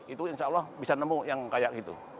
itu insya allah bisa nemu yang kayak gitu